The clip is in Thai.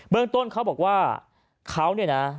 เมืองต้นเขาบอกว่าเขาเนี่ยนะ